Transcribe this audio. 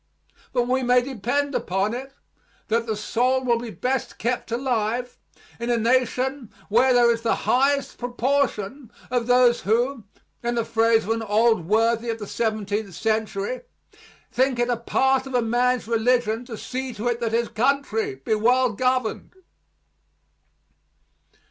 But we may depend upon it that the soul will be best kept alive in a nation where there is the highest proportion of those who, in the phrase of an old worthy of the seventeenth century, think it a part of a man's religion to see to it that his country be well governed.